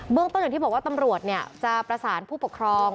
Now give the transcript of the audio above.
ต้นอย่างที่บอกว่าตำรวจจะประสานผู้ปกครอง